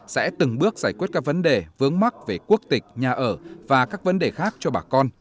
sẽ từng bước giải quyết các vấn đề vướng mắc về quốc tịch nhà ở và các vấn đề khác cho bà con